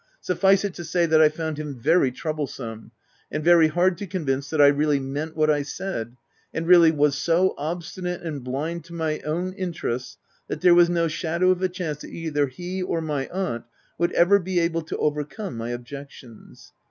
Suffice it to say, that I found him very troublesome, and very hard to convince that I really meant what I said, and really was so obstinate and blind to my own interests, that there was no shadow of a chance that either he or my aunt would ever be able to overcome my objections.